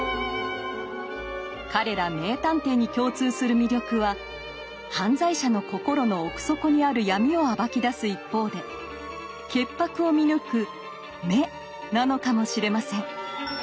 彼ら名探偵に共通する魅力は犯罪者の心の奥底にある闇を暴き出す一方で潔白を見抜く「眼」なのかもしれません。